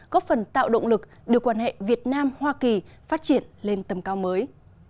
góp phần tạo động lực đưa quan hệ việt nam hoa kỳ phát triển lên tầm cao mới